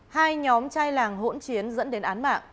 hai nhóm chai làng hỗn chiến dẫn đến án mạng